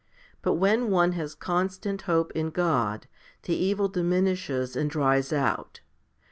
But when one has constant hope in God, the evil diminishes and dries out.